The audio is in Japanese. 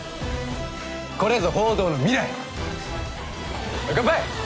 これぞ報道の未来はい乾杯！